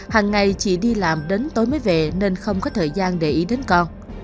hằng ngày chị đi làm đến tối mới về nên không có thời gian để ý đến con